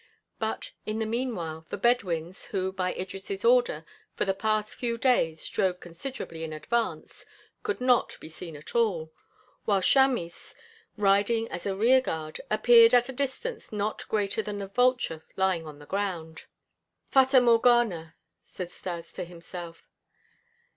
But, in the meanwhile, the Bedouins, who, by Idris' order, for the past few days drove considerably in advance, could not be seen at all; while Chamis, riding as a rear guard, appeared at a distance not greater than the vulture lying on the ground. "Fata Morgana," said Stas to himself.